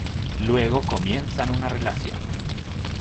Luego comienzan una relación.